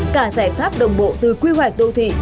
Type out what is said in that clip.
cả giải pháp đồng bộ từ quy hoạch đô thị